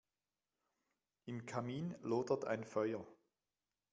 Im Kamin lodert ein Feuer.